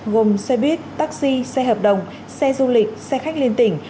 gồm xe buýt taxi xe hợp đồng xe du lịch xe khách liên tỉnh